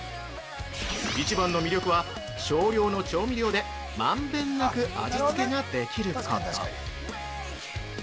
一番の魅力は、少量の調味料で満遍なく味付けができること。